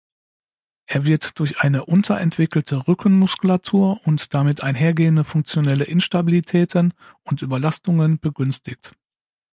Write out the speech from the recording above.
Er wird durch eine unterentwickelte Rückenmuskulatur und damit einhergehende funktionelle Instabilitäten und Überlastungen begünstigt.